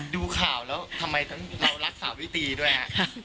ดูข่าวแล้วทำไมเรารักษาวิธีด้วยฮะ